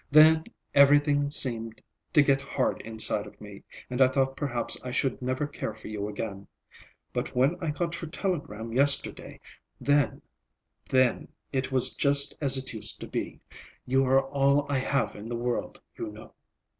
Then everything seemed to get hard inside of me, and I thought perhaps I should never care for you again. But when I got your telegram yesterday, then—then it was just as it used to be. You are all I have in the world, you know."